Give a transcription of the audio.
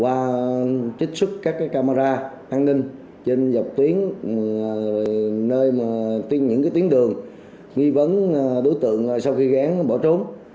và trích xuất các camera an ninh trên dọc tuyến nơi những tuyến đường nghi vấn đối tượng sau khi ghé bỏ trốn